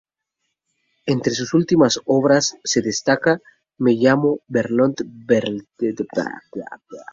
Entre sus últimas obras se destaca "Me llamo Bertolt Brecht", entre muchas otras.